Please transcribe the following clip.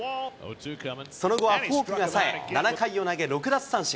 その後はフォークがさえ、７回を投げ６奪三振。